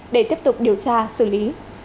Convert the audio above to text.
để tiếp tục điều tra xử lý